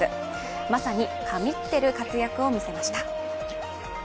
まさに神ってる活躍を見せました。